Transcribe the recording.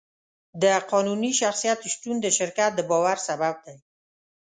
د قانوني شخصیت شتون د شرکت د باور سبب دی.